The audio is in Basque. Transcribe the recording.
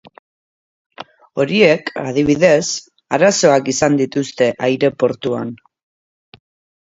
Horiek, adibidez, arazoak izan dituzte aireportuan.